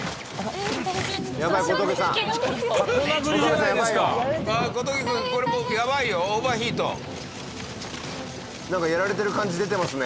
なんかやられてる感じ出てますね。